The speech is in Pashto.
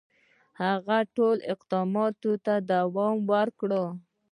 هغه دي اقداماتو ته دوام ورکړي.